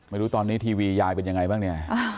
ไม่รู้ตอนนี้ทีวียายเป็นยังไงบ้างเนี่ย